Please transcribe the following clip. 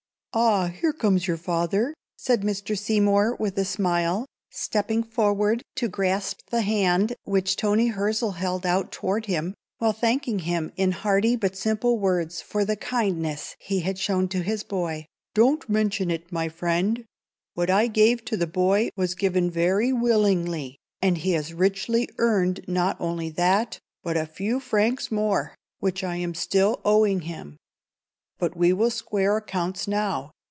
"Ah, here comes your father," said Mr. Seymour, with a smile, stepping forward to grasp the hand which Toni Hirzel held out toward him, while thanking him in hearty but simple words for the kindness he had shown to his boy. "Don't mention it, my friend. What I gave to the boy was given very willingly, and he has richly earned not only that, but a few francs more, which I am still owing him. But we will square accounts now.